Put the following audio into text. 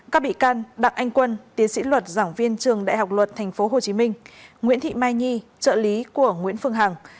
các bị can đặng anh quân tiến sĩ luật giảng viên trường đại học luật tp hcm nguyễn thị mai nhi trợ lý của nguyễn phương hằng